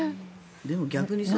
でも逆にさ